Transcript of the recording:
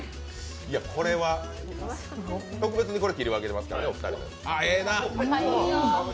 特別に切り分けていますからね、お二人のは。